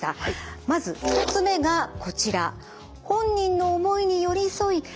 まず１つ目がこちら。